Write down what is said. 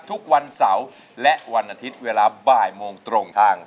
ทุกวันเสาร์และวันอาทิตย์เวลาบ่ายโมงตรงทาง